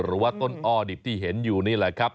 หรือว่าต้นอ้อดิบที่เห็นอยู่นี่แหละครับ